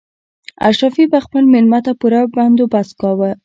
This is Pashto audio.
اشرافي به خپل مېلمه ته پوره بندوبست کاوه.